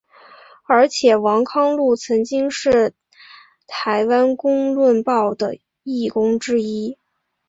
而且王康陆曾经是台湾公论报的义工之一。